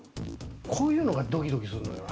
こういうのがドキドキすんのよ。